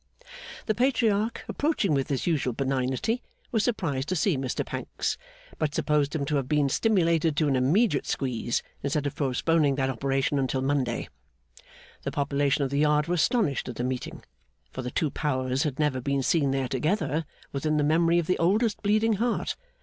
The Patriarch, approaching with his usual benignity, was surprised to see Mr Pancks, but supposed him to have been stimulated to an immediate squeeze instead of postponing that operation until Monday. The population of the Yard were astonished at the meeting, for the two powers had never been seen there together, within the memory of the oldest Bleeding Heart.